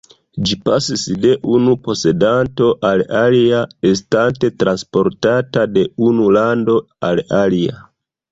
Ĝi pasis de unu posedanto al alia, estante transportata de unu lando al alia.